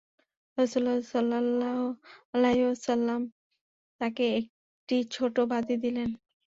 রাসূলুল্লাহ সাল্লাল্লাহু আলাইহি ওয়াসাল্লাম তাকে একটি ছোট বাঁদী দিলেন।